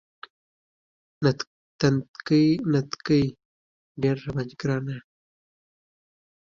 په هغو سیمو کې چې باران زیات وي کمبر زیات نیول کیږي